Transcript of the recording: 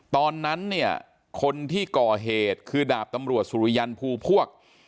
ตอนนั้นเนี่ยคนที่ก่อเหตุคือดาบตำรวจสุริยันภูพวก